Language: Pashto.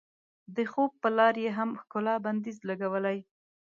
د خوب په لار یې هم ښکلا بندیز لګولی.